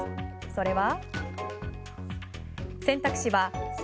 それは。